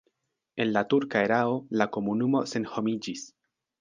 En la turka erao la komunumo senhomiĝis.